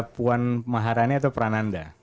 puan maharani atau prananda